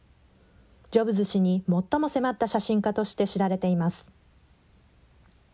ジョブズ氏に最も迫った写真家として、知られています。